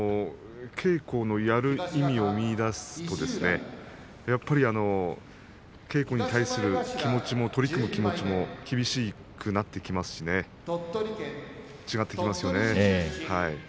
稽古のやる意味を見いだすとやっぱり稽古に対する気持ちも取り組む気持ちも厳しくなってきますし違ってきますよね。